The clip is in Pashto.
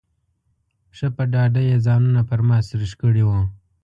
ښه په ډاډه یې ځانونه پر ما سرېښ کړي وو.